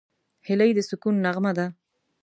هیلۍ د سکون نغمه ده